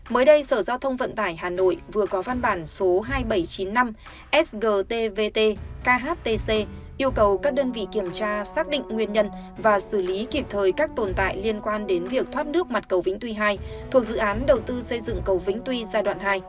mới đây sở giao thông vận tải hà nội vừa có văn bản số hai nghìn bảy trăm chín mươi năm sgtvt khtc yêu cầu các đơn vị kiểm tra xác định nguyên nhân và xử lý kịp thời các tồn tại liên quan đến việc thoát nước mặt cầu vĩnh tuy hai thuộc dự án đầu tư xây dựng cầu vĩnh tuy giai đoạn hai